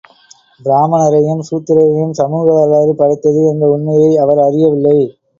பிராம்மணரையும், சூத்திரரையும் சமூக வரலாறு படைத்தது என்ற உண்மையை அவர் அறியவில்லை.